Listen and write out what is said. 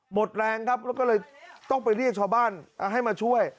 หมดแรงครับแล้วก็เลยต้องไปเรียกชาวบ้านให้มาช่วย